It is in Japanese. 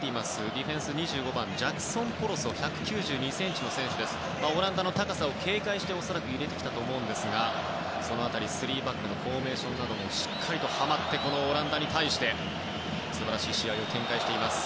ディフェンス、２５番のジャクソン・ポロソ選手ですがオランダの高さを警戒して入れてきたと思いますがその辺り、３バックのフォーメーションなどもしっかりはまってこのオランダに対して素晴らしい試合を展開しています。